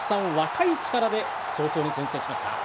寿人さん、若い力で早々に先制しました。